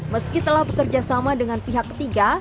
meski telah bekerjasama dengan pihak ketiga